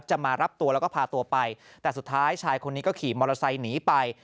มารับตัวแล้วก็พาตัวไปแต่สุดท้ายชายคนนี้ก็ขี่มอเตอร์ไซค์หนีไป